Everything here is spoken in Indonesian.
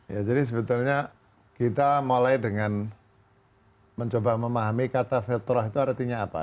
ya jadi sebetulnya kita mulai dengan mencoba memahami kata vetorah itu artinya apa